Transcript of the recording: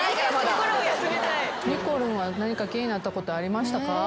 心を休めたい。にこるんは何か気になったことありましたか？